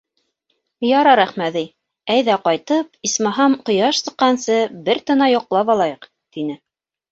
— Ярар, Әхмәҙи, әйҙә ҡайтып, исмаһам, ҡояш сыҡҡансы бер тына йоҡлап алайыҡ, — тине.